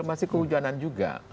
masih kehujanan juga